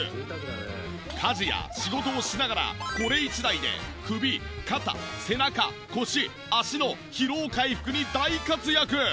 家事や仕事をしながらこれ一台で首・肩背中腰脚の疲労回復に大活躍。